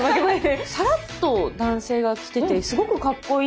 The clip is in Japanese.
さらっと男性が着ててすごくかっこいい。